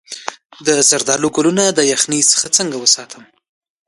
د زردالو ګلونه د یخنۍ څخه څنګه وساتم؟